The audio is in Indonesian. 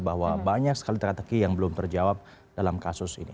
bahwa banyak sekali teka teki yang belum terjawab dalam kasus ini